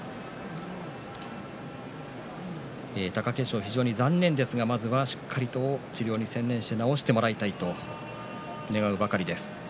貴景勝、非常に残念ですがまずは治療に専念して治してもらいたいと願うばかりです。